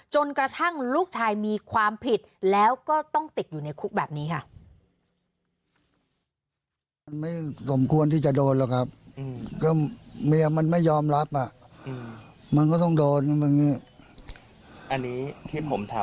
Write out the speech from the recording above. จนกระทั่งลูกชายมีความผิดแล้วก็ต้องติดอยู่ในคุกแบบนี้ค่ะ